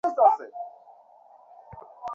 তাকিয়ে আছো কেনো, কথা কানে ঢুকেনি?